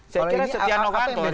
saya kira setia noh kanto